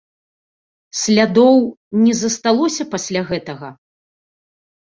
Слядоў не засталося пасля гэтага?